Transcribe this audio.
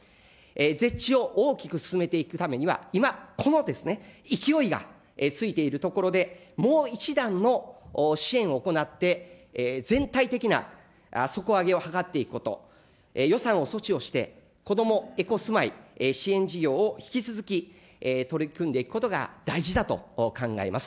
ゼッチを大きく進めていくためには、今、この勢いがついているところで、もう一段の支援を行って、全体的な底上げを図っていくこと、予算を措置をして、こどもエコすまい支援事業を引き続き取り組んでいくことが大事だと考えます。